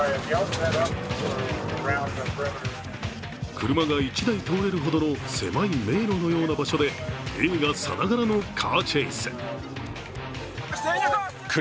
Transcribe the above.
車が１台通れるほどの狭い迷路のような場所で映画さながらのカーチェイス。